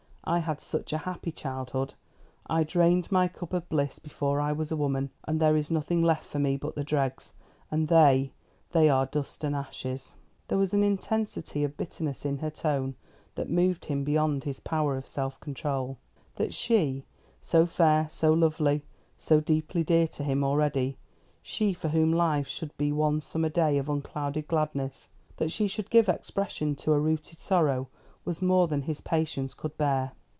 I had such a happy childhood. I drained my cup of bliss before I was a woman, and there is nothing left for me but the dregs, and they they are dust and ashes." There was an intensity of bitterness in her tone that moved him beyond his power of self control. That she so fair, so lovely, so deeply dear to him already; she for whom life should be one summer day of unclouded gladness that she should give expression to a rooted sorrow was more than his patience could bear.